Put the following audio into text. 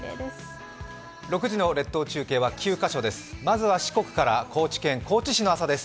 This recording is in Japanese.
６時の列島中継は９カ所です。